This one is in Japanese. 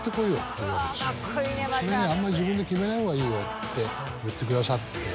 「それねあんまり自分で決めない方がいいよ」って言ってくださって。